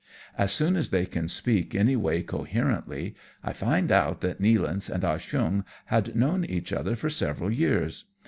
As soon as they can speak any way coherently, I find out that Nealance and Ah Cheong had known each other for several years.